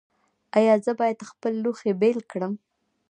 ایا زه باید خپل لوښي بیل کړم؟